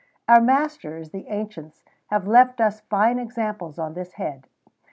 Our masters, the ancients, have left us fine examples on this head.